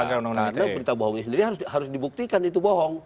karena berita bohongnya sendiri harus dibuktikan itu bohong